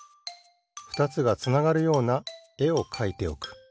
ふたつがつながるようなえをかいておく。